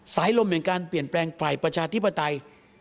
สายลมแห่งการเปลี่ยนแปลงฝ่ายประชาธิปไตย